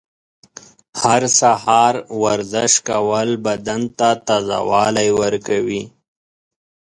هر سهار ورزش کول بدن ته تازه والی ورکوي.